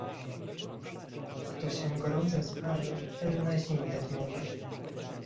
"kto się gorącym sparzy, ten na zimne dmucha"